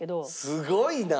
すごいな！